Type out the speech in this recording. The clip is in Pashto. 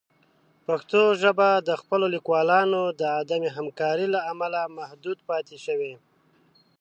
پښتو ژبه د خپلو لیکوالانو د عدم همکارۍ له امله محدود پاتې شوې.